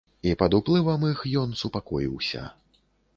І пад уплывам іх ён супакоіўся.